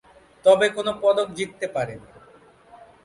তবে কোন পদক জিততে পারেনি।